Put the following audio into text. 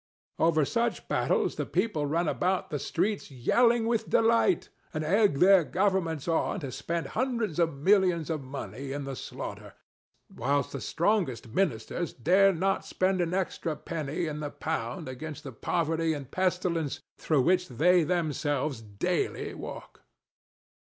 Over such battles the people run about the streets yelling with delight, and egg their Governments on to spend hundreds of millions of money in the slaughter, whilst the strongest Ministers dare not spend an extra penny in the pound against the poverty and pestilence through which they themselves daily walk.